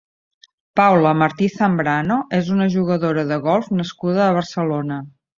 Paula Martí Zambrano és una jugadora de golf nascuda a Barcelona.